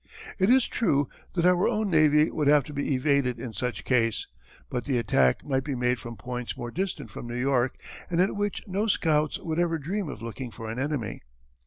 It is true that our own navy would have to be evaded in such case, but the attack might be made from points more distant from New York and at which no scouts would ever dream of looking for an enemy.